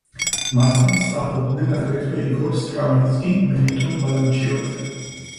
მასთან სწავლობდნენ აგრეთვე იგორ სტრავინსკი, მელიტონ ბალანჩივაძე.